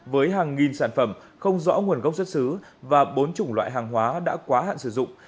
với hàng nghìn sản phẩm không rõ nguồn gốc xuất xứ và bốn chủng loại hàng hóa đã quá hạn sử dụng